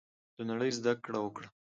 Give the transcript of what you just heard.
له نړۍ زده کړه وکړو.